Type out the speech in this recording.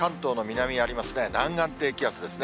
南岸低気圧ですね。